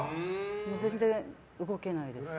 全然動けないです。